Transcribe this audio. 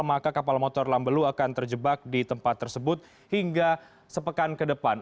maka kapal motor lambelu akan terjebak di tempat tersebut hingga sepekan ke depan